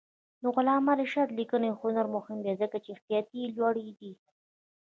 د علامه رشاد لیکنی هنر مهم دی ځکه چې احتیاط یې لوړ دی.